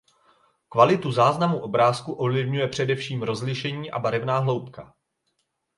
Kvalitu záznamu obrázku ovlivňuje především rozlišení a barevná hloubka.